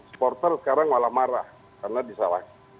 supporter sekarang malah marah karena disalah